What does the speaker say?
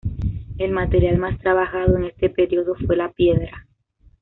El material más trabajado en este período fue la piedra.